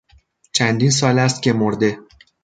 چندین سال است که مرده.